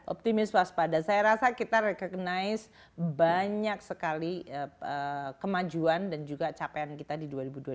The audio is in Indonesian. optimis waspada saya rasa kita recognize banyak sekali kemajuan dan juga capaian kita di dua ribu dua puluh empat